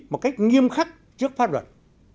một cách nghiêm khắc trước pháp luật